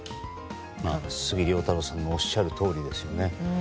杉良太郎さんがおっしゃるとおりですよね。